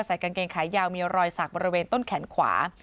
กางเกงขายาวมีรอยสักบริเวณต้นแขนขวา